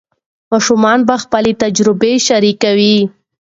ماشومان به خپله تجربه شریکوي.